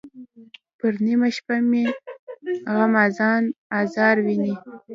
پر نیمه شپه مې غمازان آزار ویني.